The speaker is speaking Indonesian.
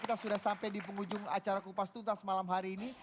kita sudah sampai di penghujung acara kupas tuntas malam hari ini